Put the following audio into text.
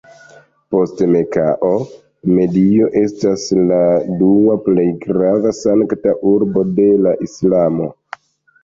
Post Mekao, Medino estas la dua plej grava Sankta Urbo de la islamo.